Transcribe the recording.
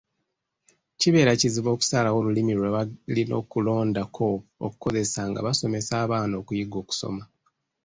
Kibeera kizibu okusalawo lulimi lwe balina okulondako okukozesa nga basomesa abaana okuyiga okusoma.